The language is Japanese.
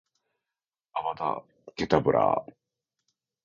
アバダ・ケタブラぁ！！！